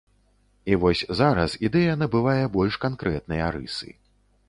І вось зараз ідэя набывае больш канкрэтныя рысы.